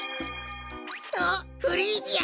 おっフリージア！